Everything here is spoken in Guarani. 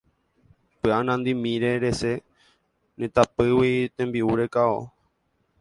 Py'a nandimíre resẽ ne tapỹigui tembi'u rekávo.